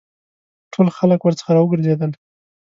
ټول خلک ورڅخه را وګرځېدل.